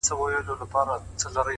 درومم چي له ښاره روانـــــېـــږمــــه ـ